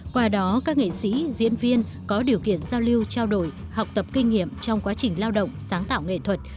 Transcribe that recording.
qua đó các nghệ sĩ diễn viên có điều kiện giao lưu trao đổi học tập kinh nghiệm trong quá trình lao động sáng tạo nghệ thuật